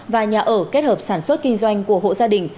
và nhà ở kết hợp sản xuất kinh doanh của hộ gia đình